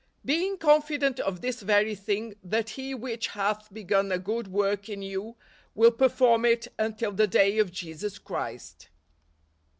" Being confident of this very thing, that he which hath begun a good work in you will perform it until the day of Jesus Christ